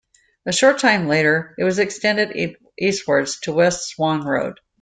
A short time later, it was extended eastwards to West Swan Road.